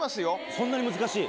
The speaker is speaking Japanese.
そんなに難しい？